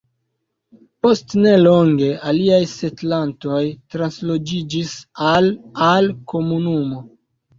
Post ne longe, aliaj setlantoj transloĝiĝis al al komunumo.